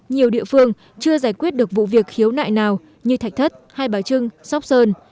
nhiều địa phương chưa giải quyết được vụ việc khiếu nại nào như thạch thất hai bà trưng sóc sơn